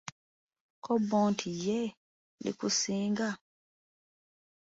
Ko bbo nti, yee likusinga!